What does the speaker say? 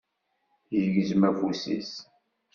Yegzem afus-is.